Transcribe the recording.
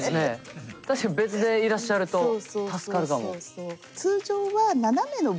確かに別でいらっしゃると助かるかも。